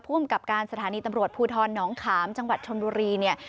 อำกับการสถานีตำรวจภูทรน้องขามจังหวัดชนบุรีเนี่ย